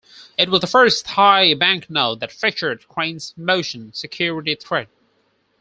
It was the first Thai banknote that featured Crane's Motion security thread.